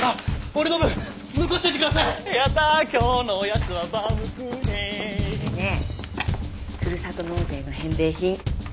これねふるさと納税の返礼品。